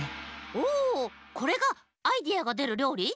おこれがアイデアがでるりょうり？